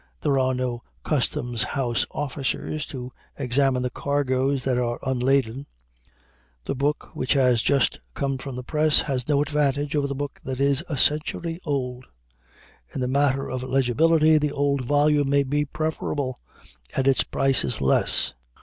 There are no customs house officers to examine the cargoes that are unladen. The book which has just come from the press has no advantage over the book that is a century old. In the matter of legibility the old volume may be preferable, and its price is less.